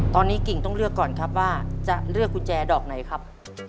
ตอนนี้กิ่งต้องเลือกก่อนครับว่าจะเลือกกุญแจดอกไหนครับ